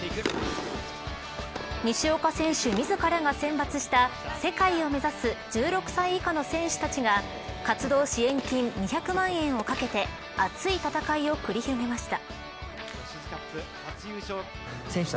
西岡選手、自らが選抜した世界を目指す１６歳以下の選手たちが活動支援金２００万円をかけて熱い戦いを繰り広げました。